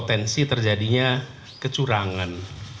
potensi terjadinya kecurangan